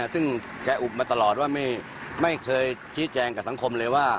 ซึ่งแกอุบมาตลอดว่าไม่เคยชี้แจงกับสังคมเลยว่า